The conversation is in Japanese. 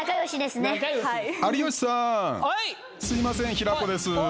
すいません平子です。